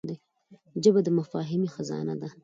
ژبه د مفاهمې خزانه ده